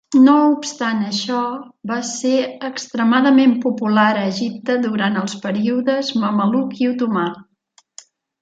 No obstant això, va ser extremadament popular a Egipte durant els períodes mameluc i otomà.